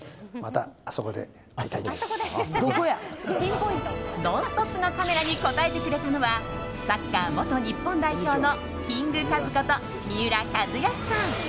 「ノンストップ！」のカメラに答えてくれたのはサッカー元日本代表のキングカズこと三浦知良さん。